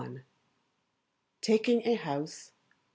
291. Taking a House.